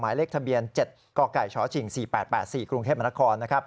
หมายเลขทะเบียน๗กกชชิง๔๘๘๔กรุงเทพมนคร